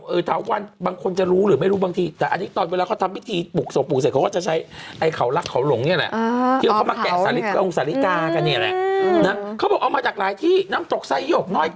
เอาจริงเอามาจากหลากหลายที่เลย